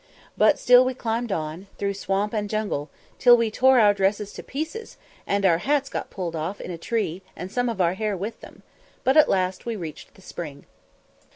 But still we climbed on, through swamp and jungle, till we tore our dresses to pieces, and our hats got pulled off in a tree and some of our hair with them; but at last we reached the spring.